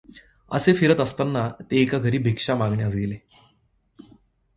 असे फिरत असतांना ते एका घरी भिक्षा मागण्यास गेले.